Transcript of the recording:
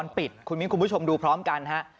ของเราได้ภาพวงจรปิดคุณมินทร์คุณผู้ชมดูพร้อมกันฮะ